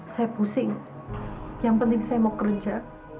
saya pusing yang penting saya mau kerja